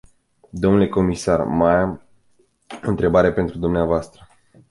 Dle comisar, mai am o întrebare pentru dvs.